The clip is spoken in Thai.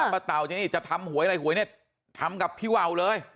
เต่านี่จะทำหวยอะไรหวยเนี่ยทำกับพี่ว่าวเลย